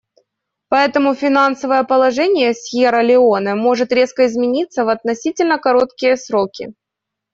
Поэтому финансовое положение Сьерра-Леоне может резко измениться в относительно короткие сроки.